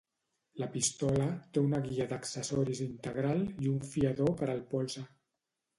La pistola té una guia d'accessoris integral i un fiador per al polze.